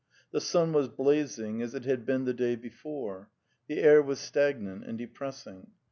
The sun was blazing, as it had been the day before; the air was stagnant and depressing.